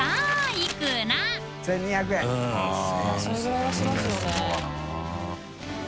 それぐらいはしますよね。